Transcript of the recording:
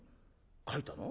書いたの？